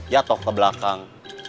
ya toh ke belakang